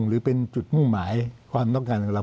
หรือเป็นจุดมุ่งหมายความต้องการของเรา